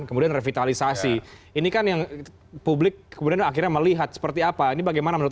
kemudian revitalisasi ini kan yang publik kemudian akhirnya melihat seperti apa ini bagaimana menurut